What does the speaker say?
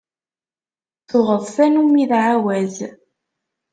Tuɣeḍ tannumi d ɛawaz.